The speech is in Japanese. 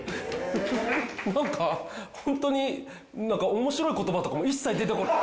なんかホントになんか面白い言葉とかも一切出てこない。